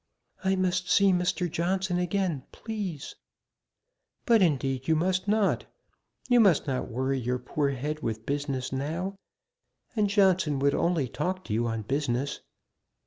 "I must see Mr. Johnson again, please." "But indeed you must not. You must not worry your poor head with business now; and Johnson would only talk to you on business.